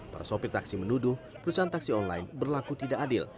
para sopir taksi menuduh perusahaan taksi online berlaku tidak adil